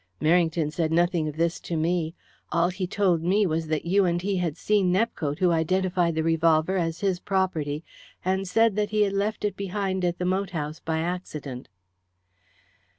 "Merrington said nothing of this to me. All he told me was that you and he had seen Nepcote, who identified the revolver as his property, and said that he had left it behind at the moat house by accident."